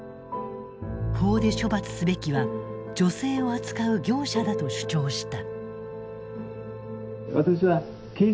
法で処罰すべきは女性を扱う業者だと主張した。